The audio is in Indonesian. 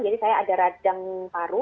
jadi saya ada radang paru